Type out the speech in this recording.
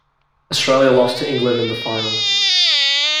Australia lost to England in the final.